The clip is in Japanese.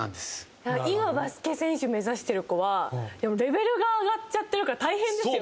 今、バスケ選手目指してる子はレベルが上がっちゃってるから大変ですよね。